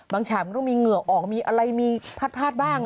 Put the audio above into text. บางชากมันก็ทำไม่มีเหงื่อออกมีอะไรมีพาดบ้าง